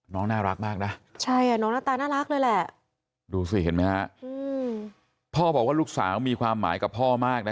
น้องน่ารักมากนะใช่อ่ะน้องนาตาลน่ารักเลยแหละ